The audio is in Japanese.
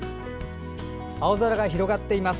青空が広がっています。